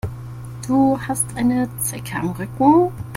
Du hast eine Zecke am Rücken.